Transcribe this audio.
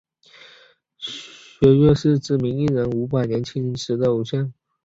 薛岳是知名艺人伍佰年轻时的偶像。